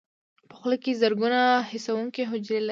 په خوله کې زرګونه حسونکي حجرې لري.